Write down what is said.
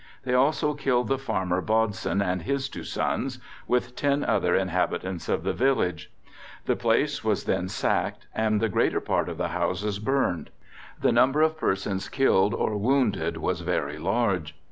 They also killed the farmer Bodson and his two sons, with ten other inhabitants of the village. The place was then sacked, and the greater part of the houses burned. The number of persons killed or wounded was very large.